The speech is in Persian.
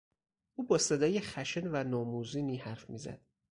او با صدای خشن و ناموزونی حرف میزد.